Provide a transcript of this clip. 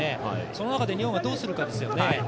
その中で日本がどうするかですよね。